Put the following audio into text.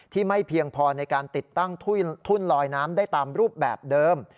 ไม่เพียงพอในการติดตั้งทุ่นลอยน้ำได้ตามรูปแบบเดิม